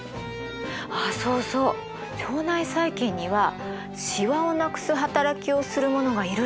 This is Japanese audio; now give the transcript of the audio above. あっそうそう腸内細菌にはシワをなくす働きをするものがいるらしいんですよ。